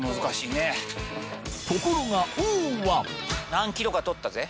何ｋｇか取ったぜ。